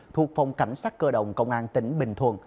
thuộc phòng cảnh sát cơ động công an tỉnh bình thuận